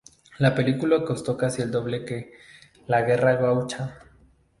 La película costó casi el doble que "La guerra gaucha".